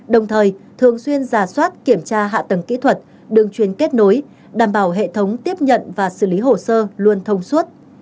đồng thời thường xuyên giả soát kiểm tra hạ tầng kỹ thuật đường chuyên kết nối đảm bảo hệ thống tiếp nhận và xử lý hồ sơ luôn thông suốt